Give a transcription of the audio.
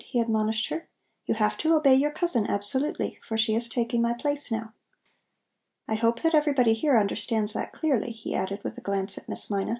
he admonished her. "You have to obey your cousin absolutely, for she is taking my place now. I hope that everybody here understands that clearly," he added with a glance at Miss Mina.